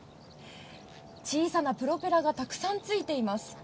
小さなプロペラがたくさん付いています。